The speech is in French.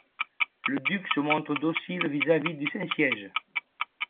Le duc se montre docile vis-à-vis du Saint-Siège.